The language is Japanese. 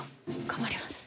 頑張ります。